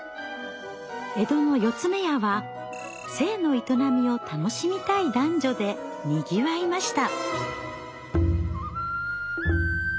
江戸の「四ツ目屋」は性の営みを楽しみたい男女でにぎわいました。